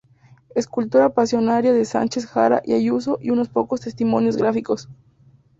Escultura Pasionaria" de Sánchez Jara y Ayuso y unos pocos testimonios gráficos.